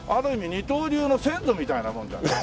二刀流の先祖みたいなもんだよね。